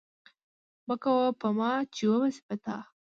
مه کوه په ما، چې وبه سي په تا!